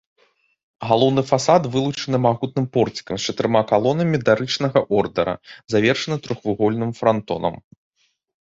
Галоўны фасад вылучаны магутным порцікам з чатырма калонамі дарычнага ордара, завершаны трохвугольным франтонам.